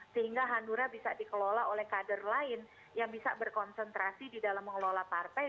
sehingga hanura bisa dikelola oleh kader lain yang bisa berkonsentrasi di dalam mengelola partai